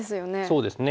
そうですね。